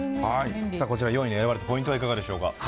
こちら４位に選ばれたポイントいかがでしょうか。